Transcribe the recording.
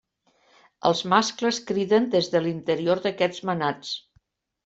Els mascles criden des de l'interior d'aquests manats.